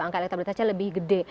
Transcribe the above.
angka elektabilitasnya lebih gede